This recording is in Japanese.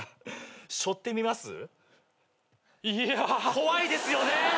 怖いですよね。